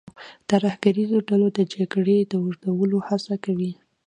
ترهګریزو ډلو د جګړې د اوږدولو هڅه کوي.